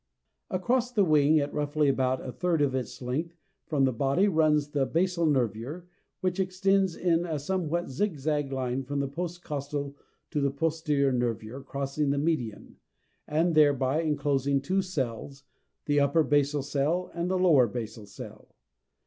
Across the wing at, roughly, about a third of its length from the body runs the basal nervure (5); this extends in a somewhat zigzag line from the post costal to the posterior nervure crossing the median, and thereby enclosing two cells, the upper basal cell (B) and the lower basal cell (C).